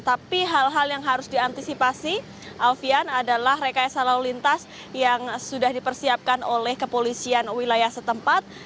tapi hal hal yang harus diantisipasi alfian adalah rekayasa lalu lintas yang sudah dipersiapkan oleh kepolisian wilayah setempat